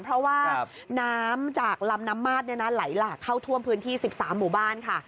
เพราะว่าน้ำจากลำน้ำมาดไหลหลากเข้าท่วมพื้นที่๑๓หมู่บ้านค่ะ